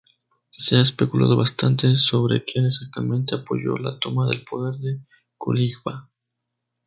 Se ha especulado bastante sobre quien, exactamente, apoyó la toma del poder de Kolingba.